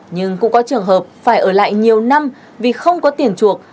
nhưng cũng có trường hợp phải ở lại nhiều năm vì không có tiền chuộc